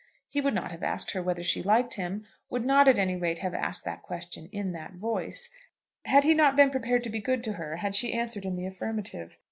He would not have asked her whether she liked him, would not, at any rate, have asked that question in that voice, had he not been prepared to be good to her had she answered in the affirmative.